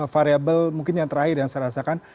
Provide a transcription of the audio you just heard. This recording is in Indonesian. variable mungkin yang terakhir yang saya rasakan